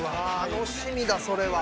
楽しみだそれは。